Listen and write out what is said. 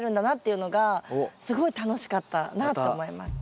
いうのがすごい楽しかったなと思います。